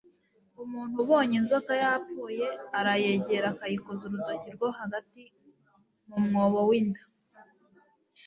Umuntu ubonye inzoka yapfuye, arayegera akayikoza urutoki rwo hagati mu mwobo w’inda,